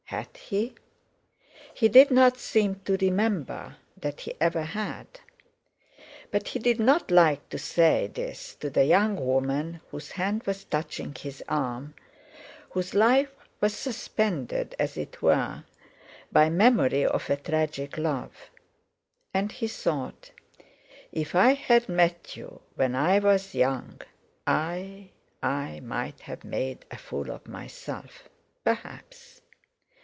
Had he? He did not seem to remember that he ever had. But he did not like to say this to the young woman whose hand was touching his arm, whose life was suspended, as it were, by memory of a tragic love. And he thought: "If I had met you when I was young I—I might have made a fool of myself, perhaps."